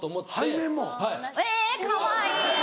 えぇかわいい！